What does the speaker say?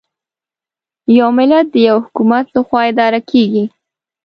یو ملت د یوه حکومت له خوا اداره کېږي.